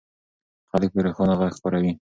خلک به روښانه غږ کاروي.